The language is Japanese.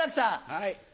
はい。